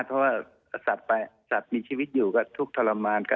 เพราะว่าสัตว์มีชีวิตอยู่ก็ทุกข์ทรมานกัน